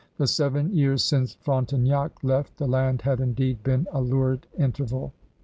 The seven years since Frontenac left the land had indeed been a lurid interval.